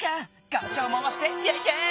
ガチャを回してイェイイェイ！